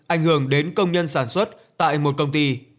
ảnh hưởng đến công nhân sản xuất tại một công ty